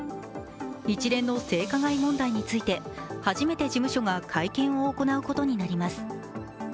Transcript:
一連の性加害問題について、初めて事務所が会見を行うことになります。